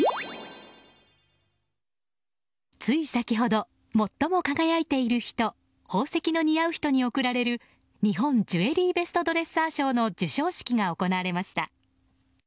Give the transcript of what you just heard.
つい先ほど、最も輝いている人宝石の似合う人に贈られる日本ジュエリーベストドレッサー賞の授賞式が行われました。